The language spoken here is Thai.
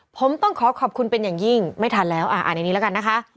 ผมต้องขอขอบคุณเป็นอย่างยิ่งไม่ทันแล้วอ่านในนี้แล้วกันนะคะ